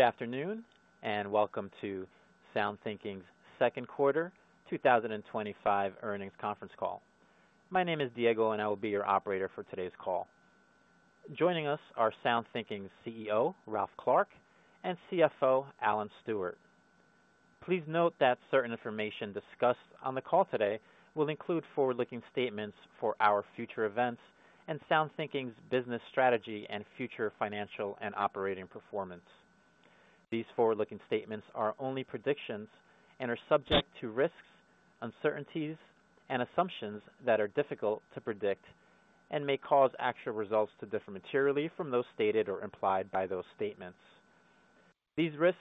Good afternoon and welcome to SoundThinking's Second Quarter 2025 Earnings Conference Call. My name is Diego, and I will be your operator for today's call. Joining us are SoundThinking's CEO, Ralph Clark, and CFO, Alan Stewart. Please note that certain information discussed on the call today will include forward-looking statements for our future events and SoundThinking's business strategy and future financial and operating performance. These forward-looking statements are only predictions and are subject to risks, uncertainties, and assumptions that are difficult to predict and may cause actual results to differ materially from those stated or implied by those statements. These risks,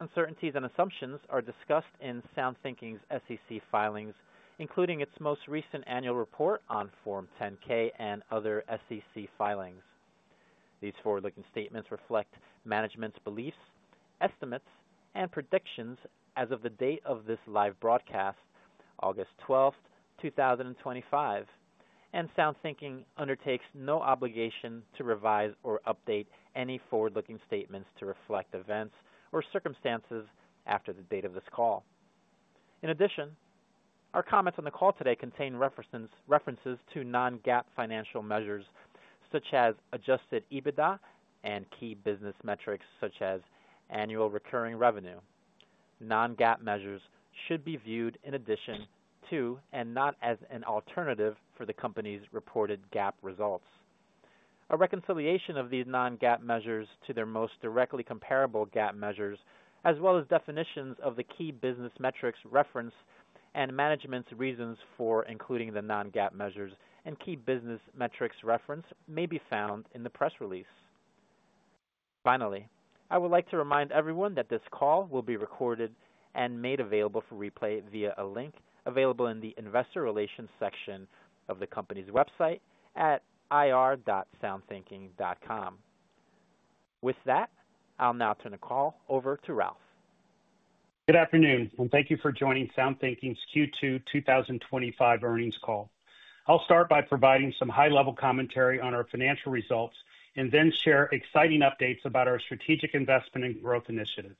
uncertainties, and assumptions are discussed in SoundThinking's SEC filings, including its most recent annual report on Form 10-K and other SEC filings. These forward-looking statements reflect management's beliefs, estimates, and predictions as of the date of this live broadcast, August 12th, 2025, and SoundThinking undertakes no obligation to revise or update any forward-looking statements to reflect events or circumstances after the date of this call. In addition, our comments on the call today contain references to non-GAAP financial measures such as adjusted EBITDA and key business metrics such as annual recurring revenue. Non-GAAP measures should be viewed in addition to and not as an alternative for the company's reported GAAP results. A reconciliation of these non-GAAP measures to their most directly comparable GAAP measures, as well as definitions of the key business metrics reference and management's reasons for including the non-GAAP measures and key business metrics reference, may be found in the press release. Finally, I would like to remind everyone that this call will be recorded and made available for replay via a link available in the Investor Relations section of the company's website at ir.soundthinking.com. With that, I'll now turn the call over to Ralph. Good afternoon, and thank you for joining SoundThinking's Q2 2025 Earnings Call. I'll start by providing some high-level commentary on our financial results and then share exciting updates about our strategic investment and growth initiatives.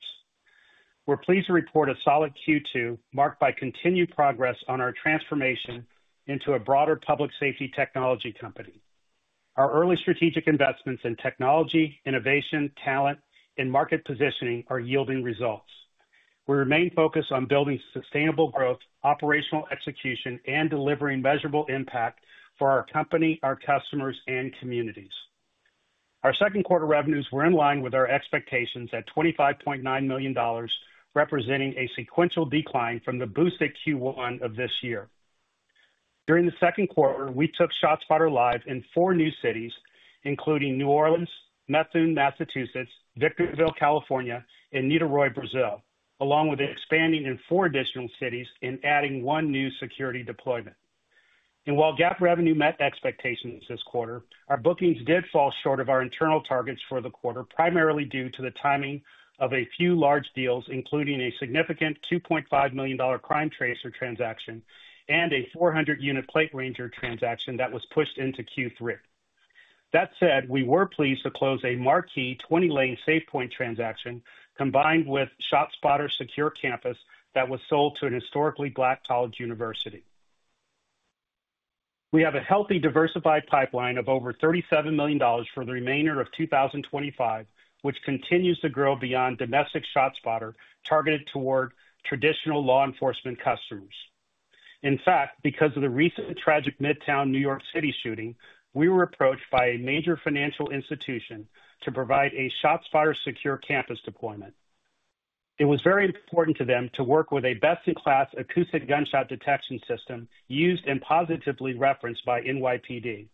We're pleased to report a solid Q2 marked by continued progress on our transformation into a broader public safety technology company. Our early strategic investments in technology, innovation, talent, and market positioning are yielding results. We remain focused on building sustainable growth, operational execution, and delivering measurable impact for our company, our customers, and communities. Our second quarter revenues were in line with our expectations at $25.9 million, representing a sequential decline from the boosted Q1 of this year. During the second quarter, we took ShotSpotter live in four new cities, including New Orleans, Methuen (Massachusetts), Victorville (California), and Niterói (Brazil), along with expanding in four additional cities and adding one new security deployment. While GAAP revenue met expectations this quarter, our bookings did fall short of our internal targets for the quarter, primarily due to the timing of a few large deals, including a significant $2.5 million CrimeTracer transaction and a 400-unit PlateRanger transaction that was pushed into Q3. That said, we were pleased to close a marquee 20-lane SafePointe transaction combined with ShotSpotter's secure campus that was sold to a historically black college university. We have a healthy diversified pipeline of over $37 million for the remainder of 2025, which continues to grow beyond domestic ShotSpotter targeted toward traditional law enforcement customers. In fact, because of the recent tragic Midtown New York City shooting, we were approached by a major financial institution to provide a ShotSpotter secure campus deployment. It was very important to them to work with a best-in-class acoustic gunshot detection system used and positively referenced by NYPD.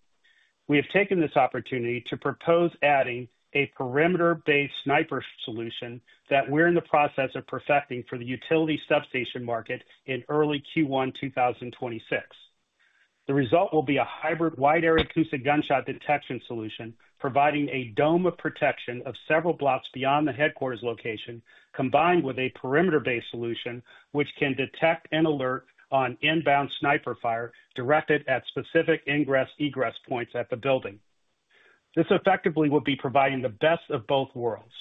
We have taken this opportunity to propose adding a perimeter-based sniper solution that we're in the process of perfecting for the utility substation market in early Q1 2026. The result will be a hybrid wide-area acoustic gunshot detection solution providing a dome of protection of several blocks beyond the headquarters location, combined with a perimeter-based solution which can detect and alert on inbound sniper fire directed at specific ingress/egress points at the building. This effectively would be providing the best of both worlds.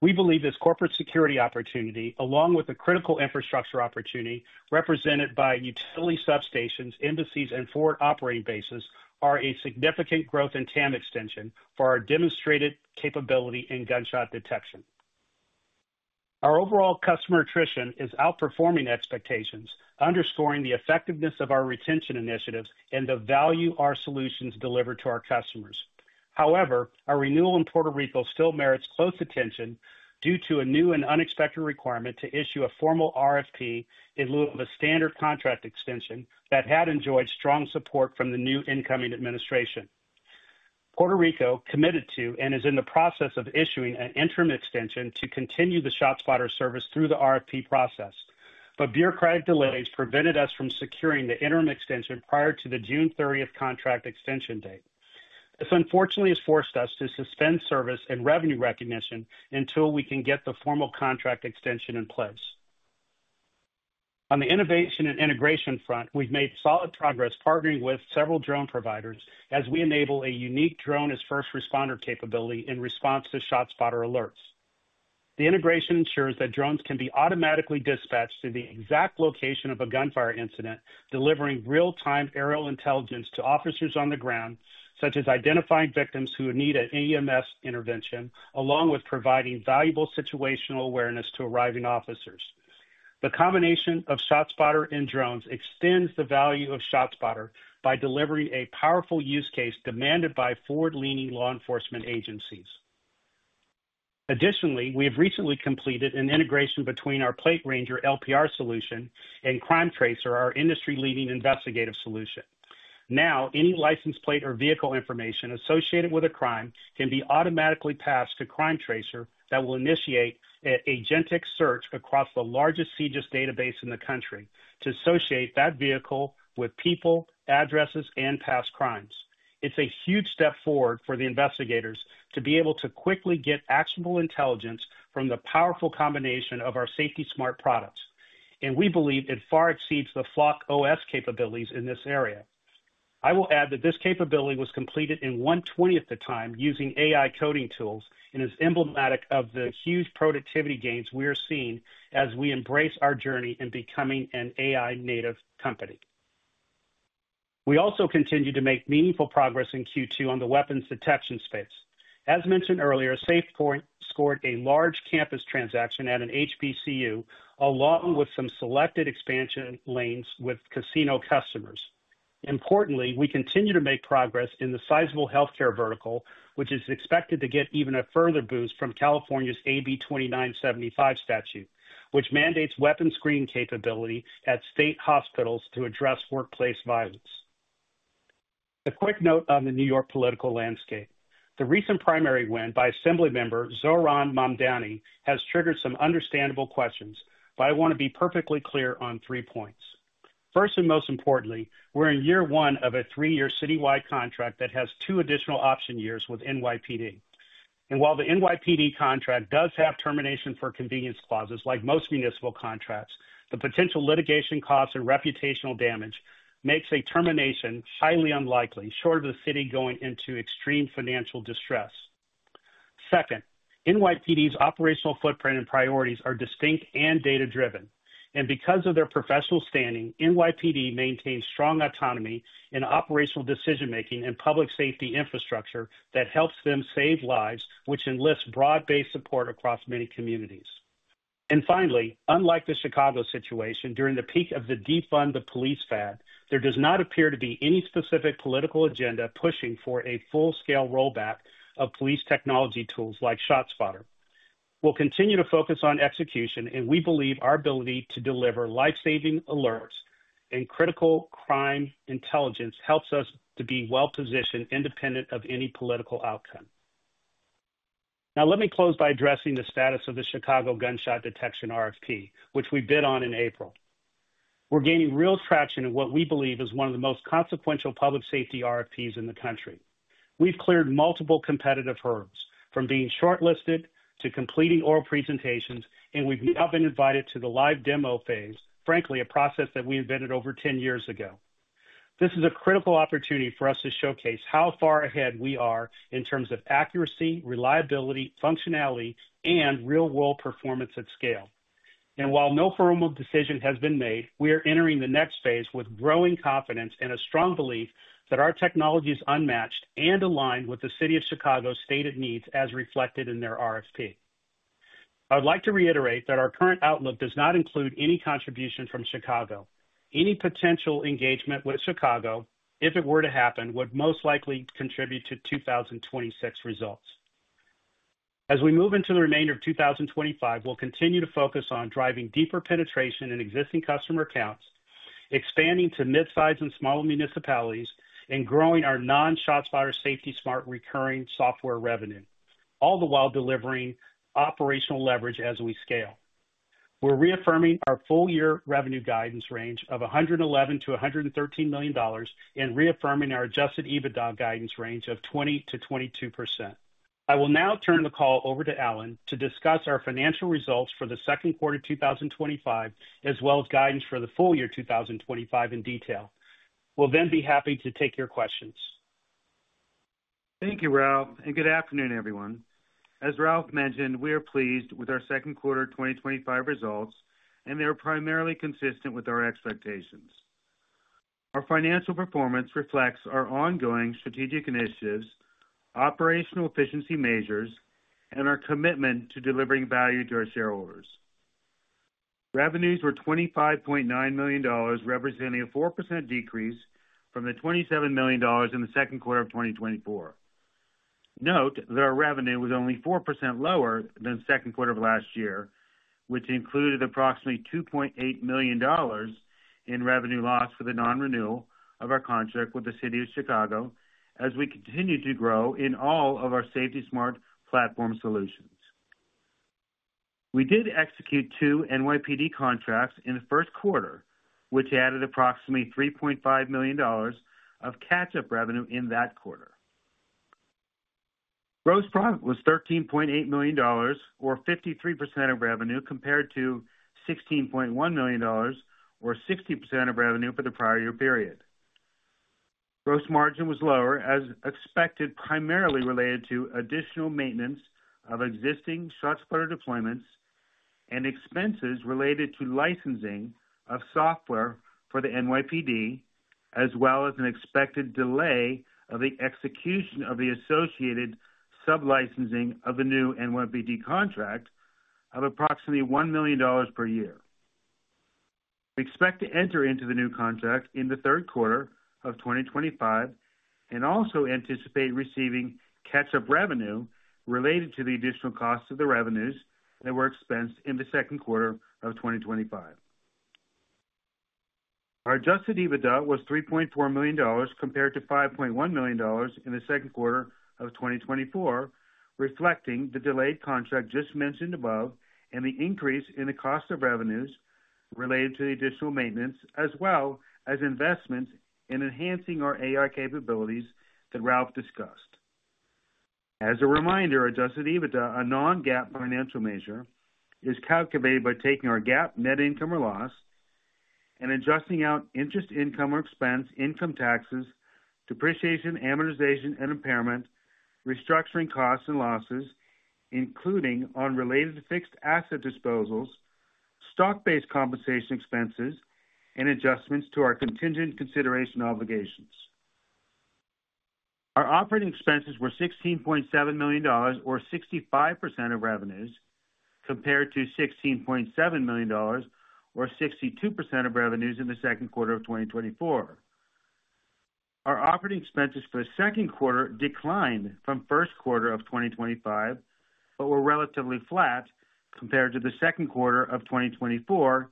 We believe this corporate security opportunity, along with the critical infrastructure opportunity represented by utility substations, embassies, and forward operating bases, is a significant growth and TAM extension for our demonstrated capability in gunshot detection. Our overall customer attrition is outperforming expectations, underscoring the effectiveness of our retention initiatives and the value our solutions deliver to our customers. However, our renewal in Puerto Rico still merits close attention due to a new and unexpected requirement to issue a formal RFP in lieu of a standard contract extension that had enjoyed strong support from the new incoming administration. Puerto Rico committed to and is in the process of issuing an interim extension to continue the ShotSpotter service through the RFP process, but bureaucratic delays prevented us from securing the interim extension prior to the June 30th contract extension date. This unfortunately has forced us to suspend service and revenue recognition until we can get the formal contract extension in place. On the innovation and integration front, we've made solid progress partnering with several drone providers as we enable a unique drone as first responder capability in response to ShotSpotter alerts. The integration ensures that drones can be automatically dispatched to the exact location of a gunfire incident, delivering real-time aerial intelligence to officers on the ground, such as identifying victims who would need an EMS intervention, along with providing valuable situational awareness to arriving officers. The combination of ShotSpotter and drones extends the value of ShotSpotter by delivering a powerful use case demanded by forward-leaning law enforcement agencies. Additionally, we have recently completed an integration between our PlateRanger LPR solution and CrimeTracer, our industry-leading investigative solution. Now, any license plate or vehicle information associated with a crime can be automatically passed to CrimeTracer that will initiate a genetic search across the largest CJIS database in the country to associate that vehicle with people, addresses, and past crimes. It's a huge step forward for the investigators to be able to quickly get actionable intelligence from the powerful combination of our SafetySmart products, and we believe it far exceeds the FlockOS capabilities in this area. I will add that this capability was completed in 1/20 the time using AI coding tools, and it's emblematic of the huge productivity gains we are seeing as we embrace our journey in becoming an AI-native company. We also continue to make meaningful progress in Q2 on the weapons detection space. As mentioned earlier, SafePointe scored a large campus transaction at an HBCU, along with some selected expansion lanes with casino customers. Importantly, we continue to make progress in the sizable healthcare vertical, which is expected to get even a further boost from California's AB 2975 statute, which mandates weapons screening capability at state hospitals to address workplace violence. A quick note on the New York political landscape. The recent primary win by Assembly Member Zohran Mamdani has triggered some understandable questions, but I want to be perfectly clear on three points. First and most importantly, we're in year one of a three-year citywide contract that has two additional option years with NYPD. While the NYPD contract does have termination for convenience clauses, like most municipal contracts, the potential litigation costs and reputational damage make a termination highly unlikely, short of the city going into extreme financial distress. Second, NYPD's operational footprint and priorities are distinct and data-driven, and because of their professional standing, NYPD maintains strong autonomy in operational decision-making and public safety infrastructure that helps them save lives, which enlists broad-based support across many communities. Finally, unlike the Chicago situation during the peak of the defund the police fad, there does not appear to be any specific political agenda pushing for a full-scale rollback of police technology tools like ShotSpotter. We'll continue to focus on execution, and we believe our ability to deliver life-saving alerts and critical crime intelligence helps us to be well positioned, independent of any political outcome. Now, let me close by addressing the status of the Chicago gunshot detection RFP, which we bid on in April. We're gaining real traction in what we believe is one of the most consequential public safety RFPs in the country. We've cleared multiple competitive hurdles, from being shortlisted to completing oral presentations, and we've now been invited to the live demo phase, frankly a process that we invented over 10 years ago. This is a critical opportunity for us to showcase how far ahead we are in terms of accuracy, reliability, functionality, and real-world performance at scale. While no formal decision has been made, we are entering the next phase with growing confidence and a strong belief that our technology is unmatched and aligned with the City of Chicago's stated needs as reflected in their RFP. I would like to reiterate that our current outlook does not include any contribution from Chicago. Any potential engagement with Chicago, if it were to happen, would most likely contribute to 2026 results. As we move into the remainder of 2025, we'll continue to focus on driving deeper penetration in existing customer accounts, expanding to mid-sized and smaller municipalities, and growing our non-ShotSpotter SafetySmart recurring software revenue, all the while delivering operational leverage as we scale. We're reaffirming our full-year revenue guidance range of $111 million-$113 million and reaffirming our adjusted EBITDA guidance range of 20%-22%. I will now turn the call over to Alan to discuss our financial results for the second quarter 2025, as well as guidance for the full year 2025 in detail. We'll then be happy to take your questions. Thank you, Ralph, and good afternoon, everyone. As Ralph mentioned, we are pleased with our second quarter 2025 results, and they are primarily consistent with our expectations. Our financial performance reflects our ongoing strategic initiatives, operational efficiency measures, and our commitment to delivering value to our shareholders. Revenues were $25.9 million, representing a 4% decrease from the $27 million in the second quarter of 2024. Note that our revenue was only 4% lower than the second quarter of last year, which included approximately $2.8 million in revenue loss for the non-renewal of our contract with the City of Chicago as we continue to grow in all of our SafetySmart platform solutions. We did execute two NYPD contracts in the first quarter, which added approximately $3.5 million of catch-up revenue in that quarter. Gross profit was $13.8 million, or 53% of revenue, compared to $16.1 million, or 60% of revenue for the prior year period. Gross margin was lower as expected, primarily related to additional maintenance of existing ShotSpotter deployments and expenses related to licensing of software for the NYPD, as well as an expected delay of the execution of the associated sub-licensing of the new NYPD contract of approximately $1 million per year. We expect to enter into the new contract in the third quarter of 2025 and also anticipate receiving catch-up revenue related to the additional costs of the revenues that were expensed in the second quarter of 2025. Our adjusted EBITDA was $3.4 million, compared to $5.1 million in the second quarter of 2024, reflecting the delayed contract just mentioned above and the increase in the cost of revenues related to the additional maintenance, as well as investments in enhancing our AI capabilities that Ralph discussed. As a reminder, adjusted EBITDA, a non-GAAP financial measure, is calculated by taking our GAAP net income or loss and adjusting out interest income or expense, income taxes, depreciation, amortization, and impairment, restructuring costs and losses, including unrelated fixed asset disposals, stock-based compensation expenses, and adjustments to our contingent consideration obligations. Our operating expenses were $16.7 million, or 65% of revenues, compared to $16.7 million, or 62% of revenues in the second quarter of 2024. Our operating expenses for the second quarter declined from the first quarter of 2025 but were relatively flat compared to the second quarter of 2024,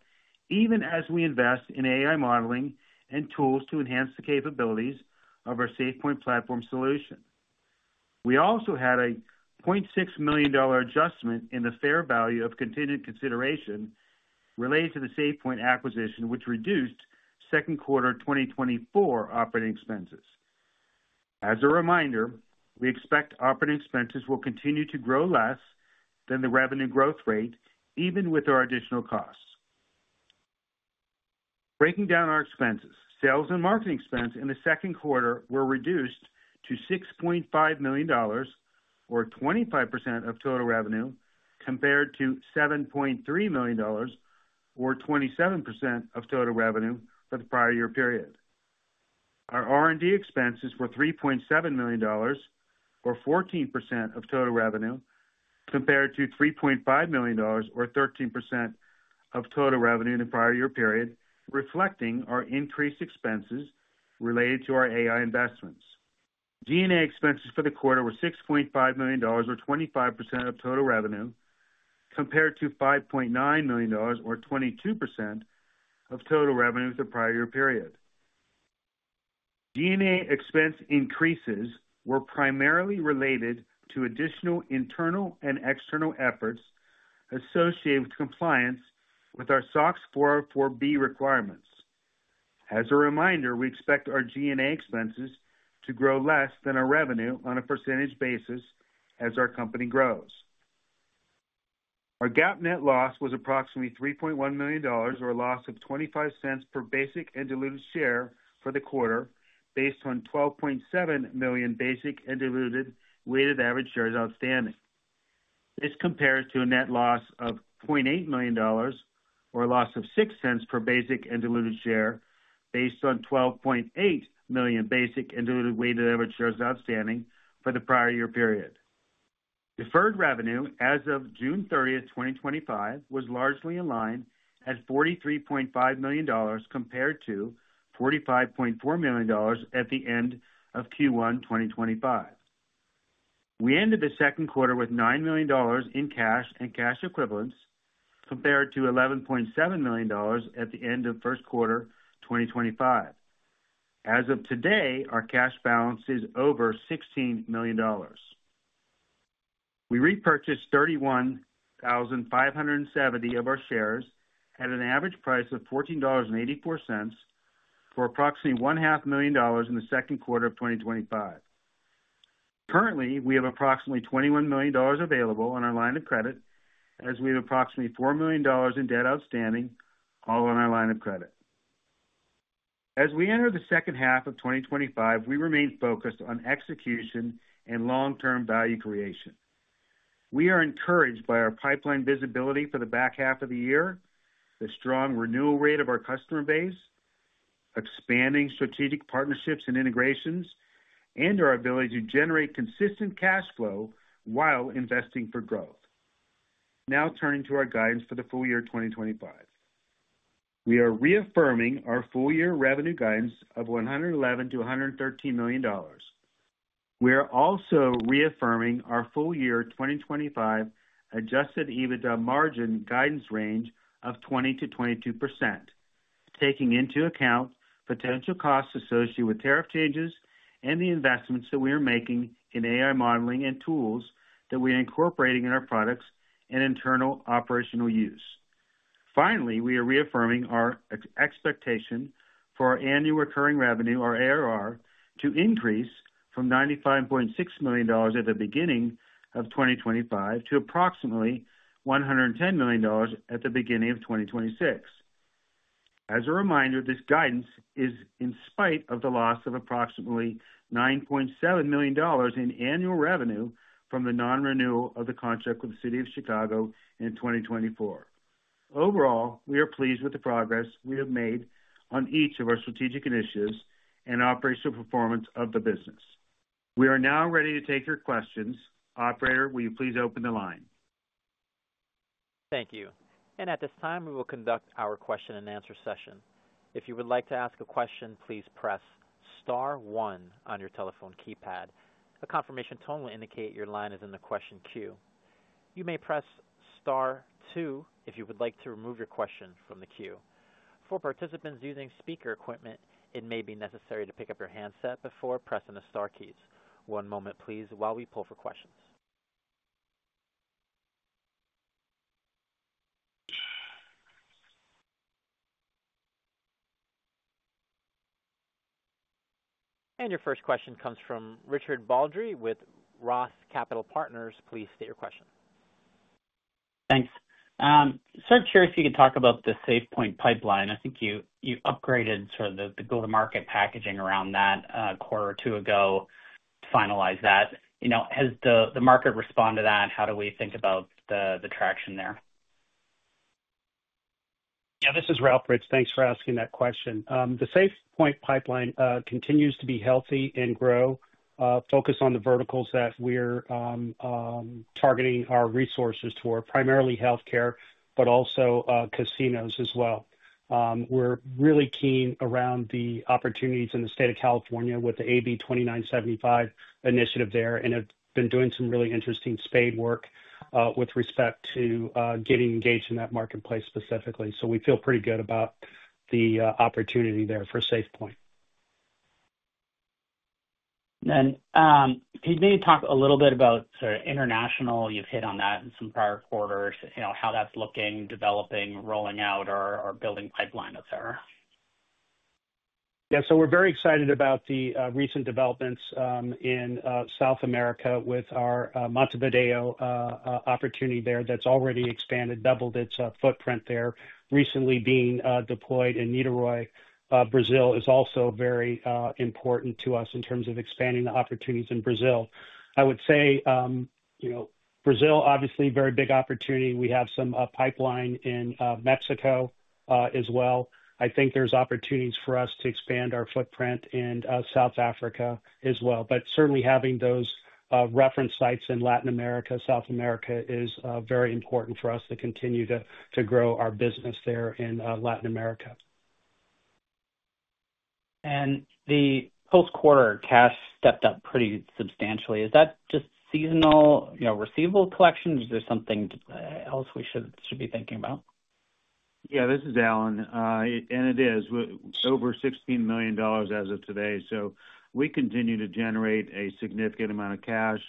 even as we invest in AI modeling and tools to enhance the capabilities of our SafePointe platform solution. We also had a $0.6 million adjustment in the fair value of contingent consideration related to the SafePointe acquisition, which reduced second quarter 2024 operating expenses. As a reminder, we expect operating expenses will continue to grow less than the revenue growth rate, even with our additional costs. Breaking down our expenses, sales and marketing expense in the second quarter were reduced to $6.5 million, or 25% of total revenue, compared to $7.3 million, or 27% of total revenue for the prior year period. Our R&D expenses were $3.7 million, or 14% of total revenue, compared to $3.5 million, or 13% of total revenue in the prior year period, reflecting our increased expenses related to our AI investments. G&A expenses for the quarter were $6.5 million, or 25% of total revenue, compared to $5.9 million, or 22% of total revenue for the prior year period. G&A expense increases were primarily related to additional internal and external efforts associated with compliance with our SOX 404(b) requirements. As a reminder, we expect our G&A expenses to grow less than our revenue on a percentage basis as our company grows. Our GAAP net loss was approximately $3.1 million, or a loss of $0.25 per basic and diluted share for the quarter, based on 12.7 million basic and diluted weighted average shares outstanding. This compares to a net loss of $0.8 million, or a loss of $0.06 per basic and diluted share, based on 12.8 million basic and diluted weighted average shares outstanding for the prior year period. Deferred revenue as of June 30th, 2025, was largely in line at $43.5 million, compared to $45.4 million at the end of Q1 2025. We ended the second quarter with $9 million in cash and cash equivalents, compared to $11.7 million at the end of the first quarter 2025. As of today, our cash balance is over $16 million. We repurchased 31,570 of our shares at an average price of $14.84 for approximately $1.5 million in the second quarter of 2025. Currently, we have approximately $21 million available on our line of credit, as we have approximately $4 million in debt outstanding all on our line of credit. As we enter the second half of 2025, we remain focused on execution and long-term value creation. We are encouraged by our pipeline visibility for the back half of the year, the strong renewal rate of our customer base, expanding strategic partnerships and integrations, and our ability to generate consistent cash flow while investing for growth. Now turning to our guidance for the full year 2025. We are reaffirming our full-year revenue guidance of $111 million-$113 million. We are also reaffirming our full year 2025 adjusted EBITDA margin guidance range of 20%-22%, taking into account potential costs associated with tariff changes and the investments that we are making in AI modeling and tools that we are incorporating in our products and internal operational use. Finally, we are reaffirming our expectation for our annual recurring revenue, our ARR, to increase from $95.6 million at the beginning of 2025 to approximately $110 million at the beginning of 2026. As a reminder, this guidance is in spite of the loss of approximately $9.7 million in annual revenue from the non-renewal of the contract with the City of Chicago in 2024. Overall, we are pleased with the progress we have made on each of our strategic initiatives and operational performance of the business. We are now ready to take your questions. Operator, will you please open the line? Thank you. At this time, we will conduct our question and answer session. If you would like to ask a question, please press star one on your telephone keypad. A confirmation tone will indicate your line is in the question queue. You may press star two if you would like to remove your question from the queue. For participants using speaker equipment, it may be necessary to pick up your handset before pressing the star keys. One moment, please, while we pull for questions. Your first question comes from Richard Baldry with ROTH Capital Partners. Please state your question. Thanks. Sir, I'm curious if you could talk about the SafePointe pipeline. I think you upgraded sort of the go-to-market packaging around that a quarter or two ago, finalized that. Has the market responded to that? How do we think about the traction there? Yeah, this is Ralph. Thanks for asking that question. The SafePointe pipeline continues to be healthy and grow. Focus on the verticals that we're targeting our resources toward, primarily healthcare, but also casinos as well. We're really keen around the opportunities in the state of California with the AB 2975 initiative there and have been doing some really interesting spade work with respect to getting engaged in that marketplace specifically. We feel pretty good about the opportunity there for SafePointe. Could you maybe talk a little bit about sort of international? You've hit on that in some prior quarters, you know, how that's looking, developing, rolling out or building pipeline with. [unintelligible] Yeah, we're very excited about the recent developments in South America with our Montevideo opportunity that's already expanded, doubled its footprint there. Recently being deployed in Niterói (Brazil) is also very important to us in terms of expanding the opportunities in Brazil. I would say Brazil is obviously a very big opportunity. We have some pipeline in Mexico as well. I think there's opportunities for us to expand our footprint in South Africa as well. Certainly, having those reference sites in Latin America and South America is very important for us to continue to grow our business there in Latin America. The post-quarter cash stepped up pretty substantially. Is that just seasonal, you know, receivable collection? Is there something else we should be thinking about? Yeah, this is Alan. It is over $16 million as of today. We continue to generate a significant amount of cash.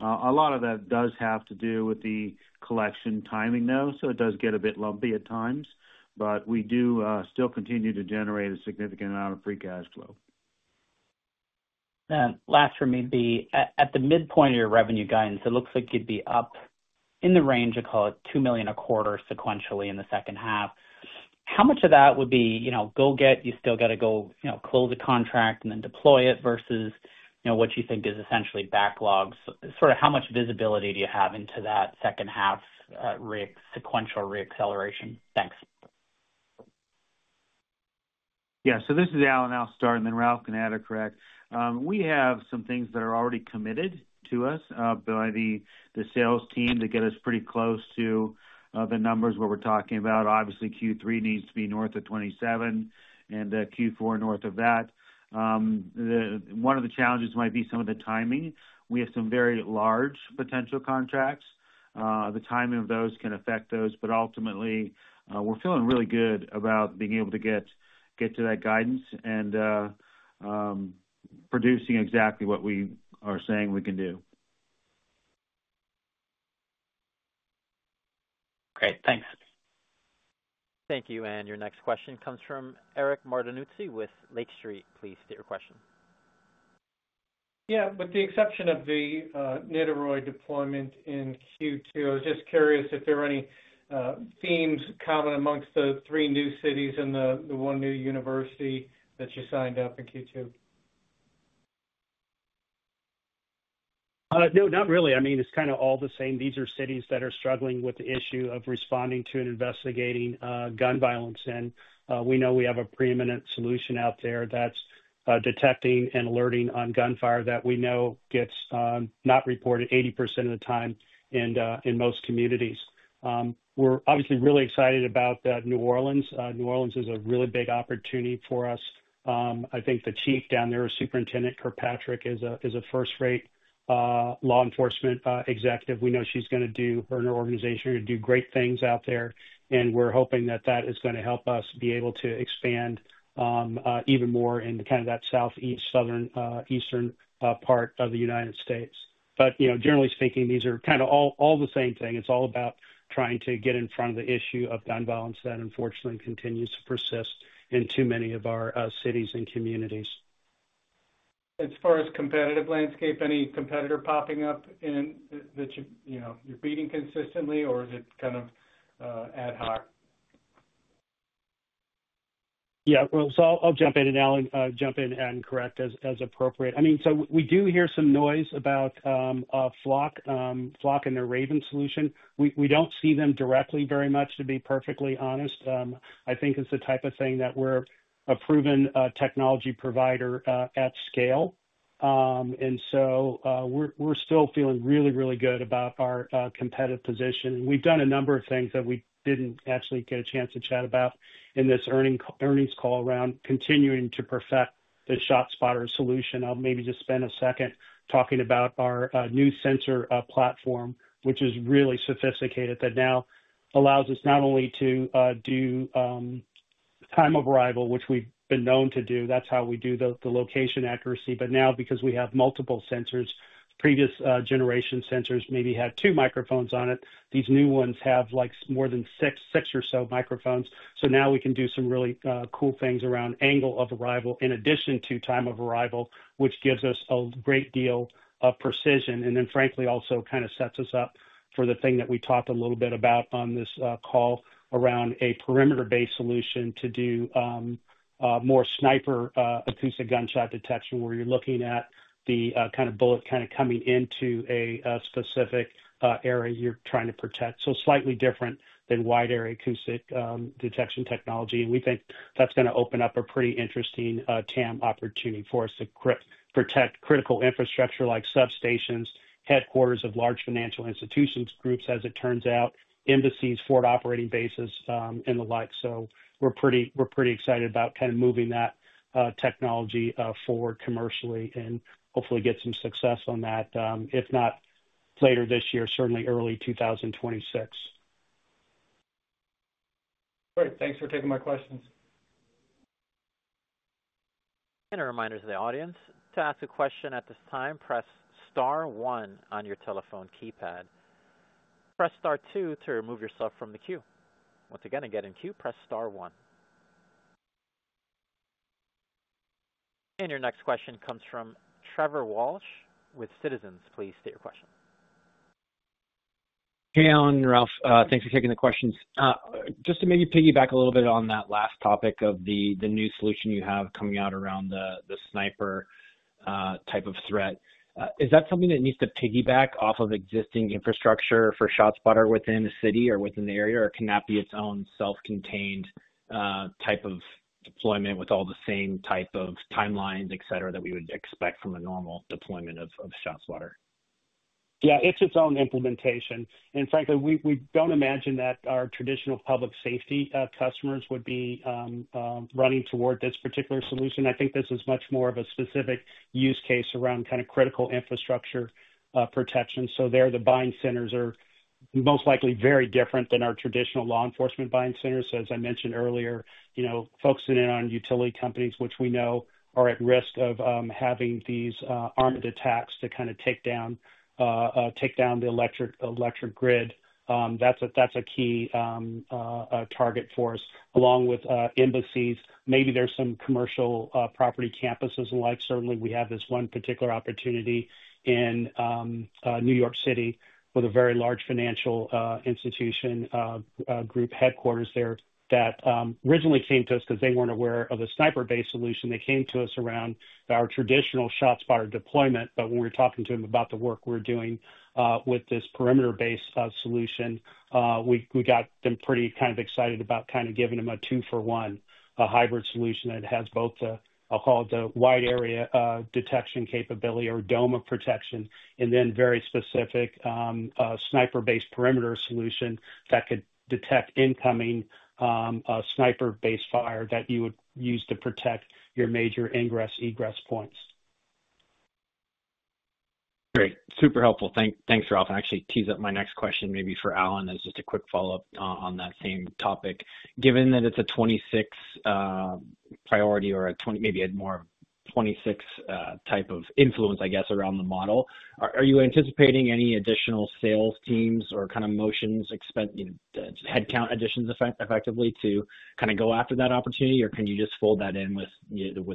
A lot of that does have to do with the collection timing, though. It does get a bit lumpy at times. We do still continue to generate a significant amount of free cash flow. At the midpoint of your revenue guidance, it looks like you'd be up in the range of, call it, $2 million a quarter sequentially in the second half. How much of that would be, you know, you still got to go close a contract and then deploy it versus what you think is essentially backlogs? Sort of how much visibility do you have into that second half sequential reacceleration? Thanks. This is Alan. I'll start and then Ralph can add, correct? We have some things that are already committed to us by the sales team to get us pretty close to the numbers we're talking about. Obviously, Q3 needs to be north of $27 million and Q4 north of that. One of the challenges might be some of the timing. We have some very large potential contracts. The timing of those can affect those, but ultimately we're feeling really good about being able to get to that guidance and producing exactly what we are saying we can do. Great, thanks. Thank you. Your next question comes from Eric Martinuzzi with Lake Street. Please state your question. With the exception of the Niterói deployment in Q2, I was just curious if there are any themes common amongst the three new cities and the one new university that you signed up in Q2. No, not really. I mean, it's kind of all the same. These are cities that are struggling with the issue of responding to and investigating gun violence. We know we have a preeminent solution out there that's detecting and alerting on gunfire that we know gets not reported 80% of the time in most communities. We're obviously really excited about New Orleans. New Orleans is a really big opportunity for us. I think the Chief down there, our Superintendent Kirkpatrick, is a first-rate law enforcement executive. We know she's going to do, her and her organization are going to do great things out there. We're hoping that is going to help us be able to expand even more in kind of that Southeast, Southern, Eastern part of the United States. Generally speaking, these are kind of all the same thing. It's all about trying to get in front of the issue of gun violence that unfortunately continues to persist in too many of our cities and communities. As far as competitive landscape, any competitor popping up that you're beating consistently, or is it kind of ad hoc? Yeah, I'll jump in and Alan, jump in and correct as appropriate. I mean, we do hear some noise about Flock and their Raven solution. We don't see them directly very much, to be perfectly honest. I think it's the type of thing that we're a proven technology provider at scale. We're still feeling really, really good about our competitive position. We've done a number of things that we didn't actually get a chance to chat about in this earnings call around continuing to perfect the ShotSpotter solution. I'll maybe just spend a second talking about our new sensor platform, which is really sophisticated. That now allows us not only to do time of arrival, which we've been known to do. That's how we do the location accuracy. Now, because we have multiple sensors, previous generation sensors maybe had two microphones on it. These new ones have more than six, six or so microphones. Now we can do some really cool things around angle of arrival in addition to time of arrival, which gives us a great deal of precision. Frankly, also kind of sets us up for the thing that we talked a little bit about on this call around a perimeter-based solution to do more sniper acoustic gunshot detection, where you're looking at the kind of bullet coming into a specific area you're trying to protect. Slightly different than wide-area acoustic detection technology. We think that's going to open up a pretty interesting TAM opportunity for us to protect critical infrastructure like substations, headquarters of large financial institutions, groups, as it turns out, embassies, forward operating bases, and the like. We're pretty excited about kind of moving that technology forward commercially and hopefully get some success on that, if not later this year, certainly early 2026. All right, thanks for taking my questions. A reminder to the audience to ask a question at this time, press star one on your telephone keypad. Press star two to remove yourself from the queue. Once again, to get in queue, press star one. Your next question comes from Trevor Walsh with Citizens. Please state your question. Hey Alan, Ralph, thanks for taking the questions. Just to maybe piggyback a little bit on that last topic of the new solution you have coming out around the sniper type of threat, is that something that needs to piggyback off of existing infrastructure for ShotSpotter within a city or within the area, or can that be its own self-contained type of deployment with all the same type of timelines, et cetera, that we would expect from a normal deployment of ShotSpotter? Yeah, it's its own implementation. Frankly, we don't imagine that our traditional public safety customers would be running toward this particular solution. I think this is much more of a specific use case around kind of critical infrastructure protection. The buying centers are most likely very different than our traditional law enforcement buying centers. As I mentioned earlier, focusing in on utility companies, which we know are at risk of having these armed attacks to kind of take down the electric grid, that's a key target for us. Along with embassies, maybe there's some commercial property, campuses, and the like. Certainly, we have this one particular opportunity in New York City with a very large financial institution group headquarters there that originally came to us because they weren't aware of a sniper-based solution. They came to us around our traditional ShotSpotter deployment. When we were talking to them about the work we're doing with this perimeter-based solution, we got them pretty kind of excited about kind of giving them a two-for-one hybrid solution that has both the, I'll call it the wide-area detection capability or DOMA protection, and then very specific sniper-based perimeter solution that could detect incoming sniper-based fire that you would use to protect your major ingress/egress points. Great, super helpful. Thanks, Ralph. That actually tees up my next question, maybe for Alan, just a quick follow-up on that same topic. Given that it's a 26 priority or a 20, maybe more of a 26 type of influence, I guess, around the model, are you anticipating any additional sales teams or kind of motions, headcount additions effectively to go after that opportunity, or can you just fold that in with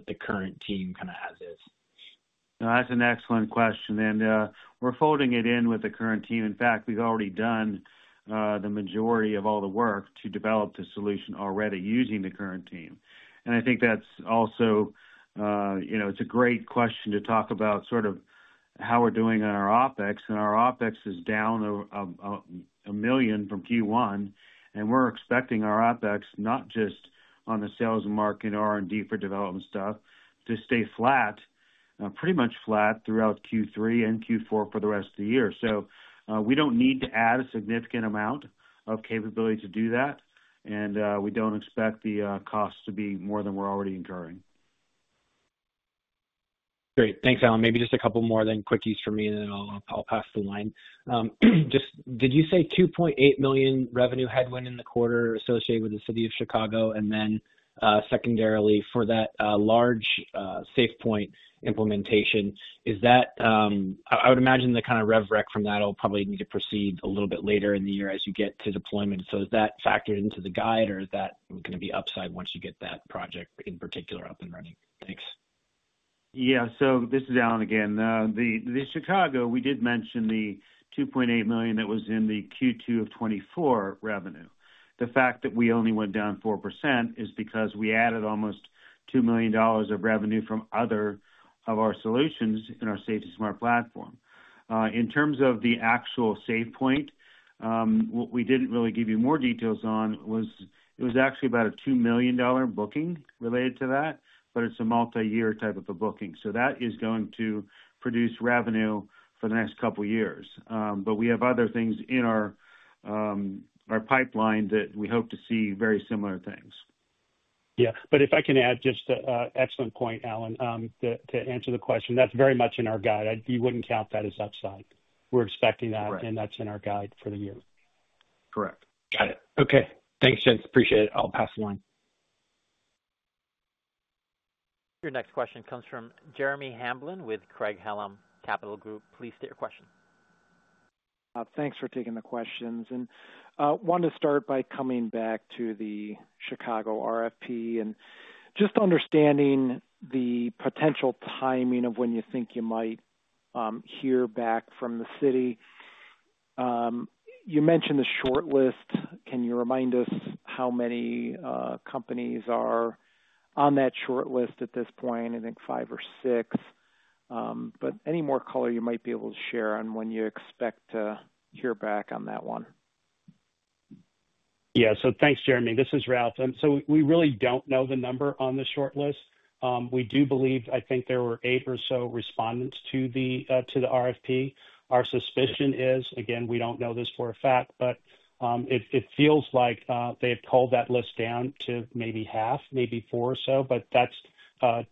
the current team as is? That's an excellent question. We're folding it in with the current team. In fact, we've already done the majority of all the work to develop the solution already using the current team. I think it's also a great question to talk about how we're doing on our OpEx. Our OpEx is down $1 million from Q1. We're expecting our OpEx, not just on the sales and market R&D for development stuff, to stay pretty much flat throughout Q3 and Q4 for the rest of the year. We don't need to add a significant amount of capability to do that. We don't expect the costs to be more than we're already incurring. Great, thanks, Alan. Maybe just a couple more quickies for me, and then I'll pass the line. Did you say $2.8 million revenue headwind in the quarter associated with the City of Chicago? For that large SafePointe implementation, I would imagine the kind of rev rec from that will probably need to proceed a little bit later in the year as you get to deployment. Is that factored into the guide, or is that going to be upside once you get that project in particular up and running? Thanks. Yeah, so this is Alan again. The Chicago, we did mention the $2.8 million that was in the Q2 of 2024 revenue. The fact that we only went down 4% is because we added almost $2 million of revenue from other of our solutions in our SafetySmart platform. In terms of the actual SafePointe, what we didn't really give you more details on was it was actually about a $2 million booking related to that, but it's a multi-year type of a booking. That is going to produce revenue for the next couple of years. We have other things in our pipeline that we hope to see very similar things. Yeah, if I can add just an excellent point, Alan, to answer the question, that's very much in our guide. You wouldn't count that as upside. We're expecting that, and that's in our guide for the year. Correct. Got it. Okay, thanks, gents. Appreciate it. I'll pass the line. Your next question comes from Jeremy Hamblin with Craig-Hallum Capital Group. Please state your question. Thanks for taking the questions. I wanted to start by coming back to the Chicago RFP and just understanding the potential timing of when you think you might hear back from the city. You mentioned the shortlist. Can you remind us how many companies are on that shortlist at this point? I think five or six. Any more color you might be able to share on when you expect to hear back on that one? Yeah, thanks, Jeremy. This is Ralph. We really don't know the number on the shortlist. We do believe, I think there were eight or so respondents to the RFP. Our suspicion is, again, we don't know this for a fact, but it feels like they have culled that list down to maybe half, maybe four or so, but that's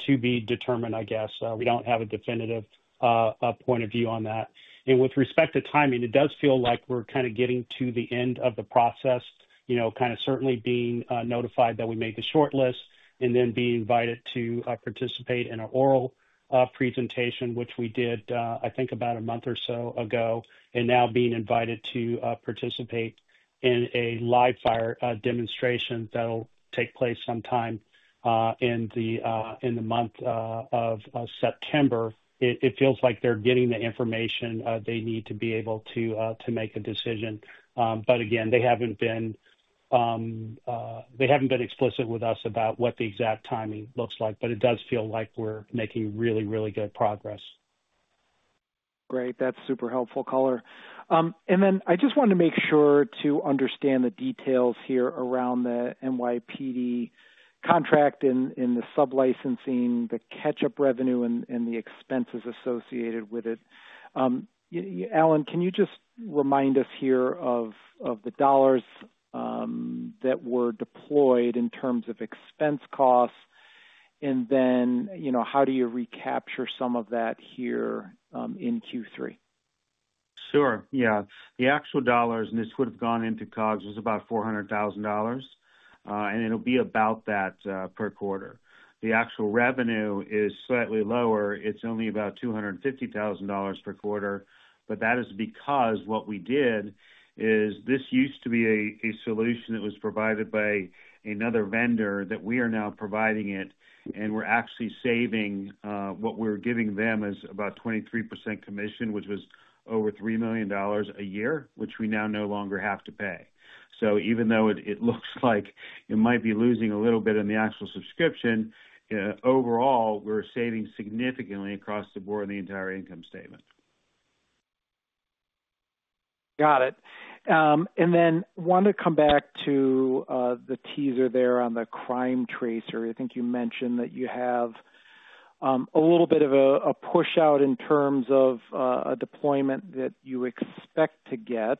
to be determined, I guess. We don't have a definitive point of view on that. With respect to timing, it does feel like we're kind of getting to the end of the process, certainly being notified that we made the shortlist and then being invited to participate in an oral presentation, which we did, I think, about a month or so ago, and now being invited to participate in a live fire demonstration that'll take place sometime in the month of September. It feels like they're getting the information they need to be able to make a decision. Again, they haven't been explicit with us about what the exact timing looks like, but it does feel like we're making really, really good progress. Great, that's super helpful, color. I just wanted to make sure to understand the details here around the NYPD contract and the sublicensing, the catch-up revenue, and the expenses associated with it. Alan, can you just remind us here of the dollars that were deployed in terms of expense costs, and then, you know, how do you recapture some of that here in Q3? Sure, yeah. The actual dollars, and this would have gone into COGS, was about $400,000, and it'll be about that per quarter. The actual revenue is slightly lower. It's only about $250,000 per quarter, but that is because what we did is this used to be a solution that was provided by another vendor that we are now providing it, and we're actually saving what we're giving them as about 23% commission, which was over $3 million a year, which we now no longer have to pay. Even though it looks like it might be losing a little bit in the actual subscription, you know, overall we're saving significantly across the board in the entire income statement. Got it. I wanted to come back to the teaser there on the CrimeTracer. I think you mentioned that you have a little bit of a push-out in terms of a deployment that you expect to get.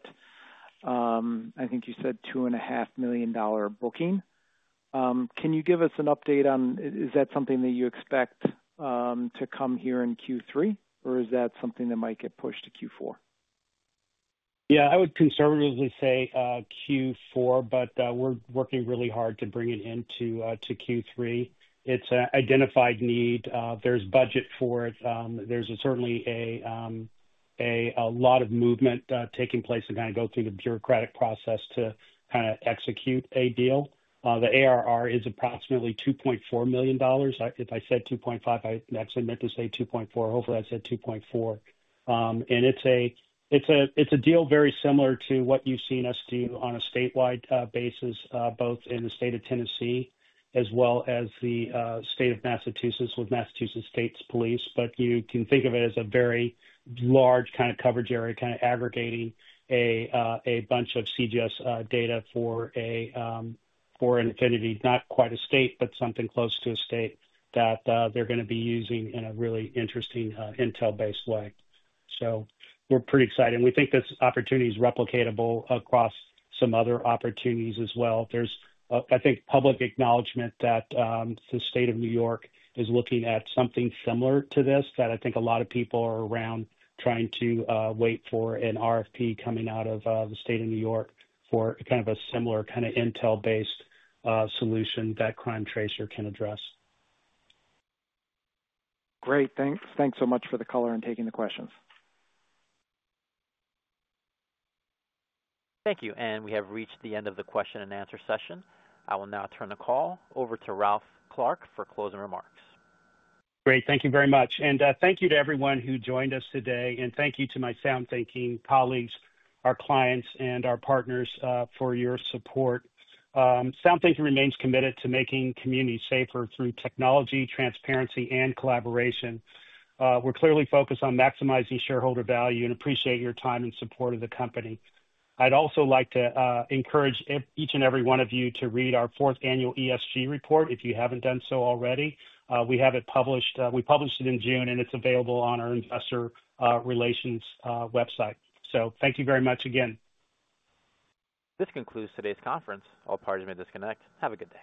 I think you said $2.5 million booking. Can you give us an update on, is that something that you expect to come here in Q3, or is that something that might get pushed to Q4? I would conservatively say Q4, but we're working really hard to bring it into Q3. It's an identified need. There's budget for it. There's certainly a lot of movement taking place to go through the bureaucratic process to execute a deal. The ARR is approximately $2.4 million. If I said $2.5 million, I actually meant to say $2.4 million. Hopefully, I said $2.4 million. It's a deal very similar to what you've seen us do on a statewide basis, both in the state of Tennessee as well as the state of Massachusetts with Massachusetts State Police. You can think of it as a very large kind of coverage area, aggregating a bunch of CGS data for an affinity, not quite a state, but something close to a state that they're going to be using in a really interesting intel-based way. We're pretty excited. We think this opportunity is replicatable across some other opportunities as well. There's, I think, public acknowledgment that the State of New York is looking at something similar to this that I think a lot of people are around trying to wait for an RFP coming out of the State of New York for a similar kind of intel-based solution that CrimeTracer can address. Great, thanks. Thanks so much for the color and taking the questions. Thank you. We have reached the end of the question and answer session. I will now turn the call over to Ralph Clark for closing remarks. Great, thank you very much. Thank you to everyone who joined us today. Thank you to my SoundThinking colleagues, our clients, and our partners for your support. SoundThinking remains committed to making communities safer through technology, transparency, and collaboration. We're clearly focused on maximizing shareholder value and appreciate your time and support of the company. I'd also like to encourage each and every one of you to read our fourth annual ESG report if you haven't done so already. We have it published. We published it in June, and it's available on our investor relations website. Thank you very much again. This concludes today's conference. All parties may disconnect. Have a good day.